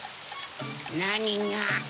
なにが？